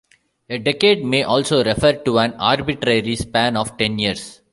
A decade may also refer to an arbitrary span of ten years.